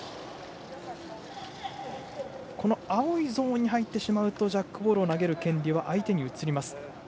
青いゾーンに入るとジャックボールを投げる権利は相手に移ります。